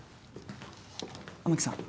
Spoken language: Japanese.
雨樹さん。